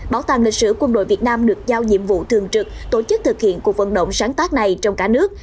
bảo tàng lịch sử quân đội việt nam được giao nhiệm vụ thường trực tổ chức thực hiện cuộc vận động sáng tác này trong cả nước